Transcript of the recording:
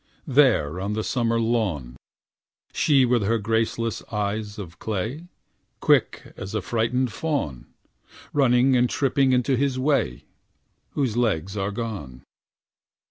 There on the summer lawn — She with her graceless eyes of clay. Quick as a frightened fawn. Running and tripping into his way Whose legs are gone.